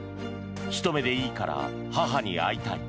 ひと目でいいから母に会いたい。